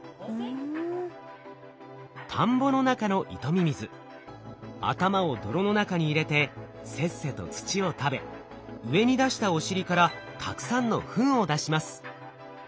田んぼの中のイトミミズ頭を泥の中に入れてせっせと土を食べ上に出したお尻からたくさんのフンを出します。